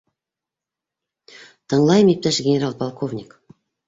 Тыңлайым, иптәш генерал-полковник.